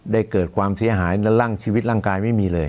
เกิดความเสียหายและร่างชีวิตร่างกายไม่มีเลย